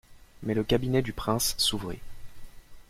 Mais le cabinet du prince s'ouvrit.